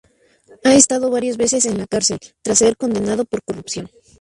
Ha estado varias veces en la cárcel tras ser condenado por corrupción.